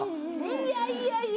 いやいやいや！